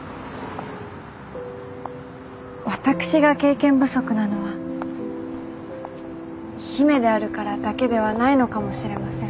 私が経験不足なのは姫であるからだけではないのかもしれません。